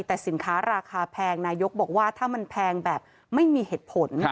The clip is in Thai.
แต่สินค้าราคาแพงนายกบอกว่าถ้ามันแพงแบบไม่มีเหตุผล